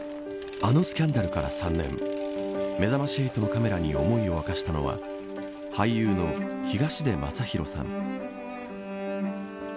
あのスキャンダルから３年めざまし８のカメラに思いを明かしたのは俳優の東出昌大さん。